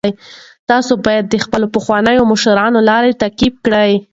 تاسي باید د خپلو پخوانیو مشرانو لار تعقیب کړئ.